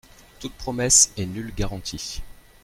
Toute promesse et nulle garantie.